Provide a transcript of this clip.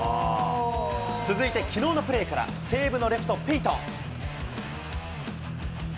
続いてきのうのプレーから、西武のレフト、ペイトン。